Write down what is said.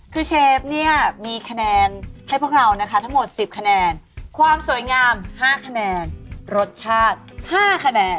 คือเชฟเนี่ยมีคะแนนให้พวกเรานะคะทั้งหมด๑๐คะแนนความสวยงาม๕คะแนนรสชาติ๕คะแนน